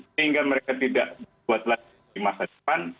sehingga mereka tidak berbuat lagi di masa depan